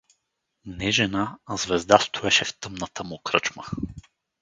Не жена, а звезда стоеше в тъмната му кръчма.